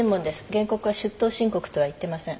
原告は出頭申告とは言ってません。